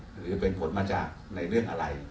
หรือเป็นผลมาจากในเรื่องอะไร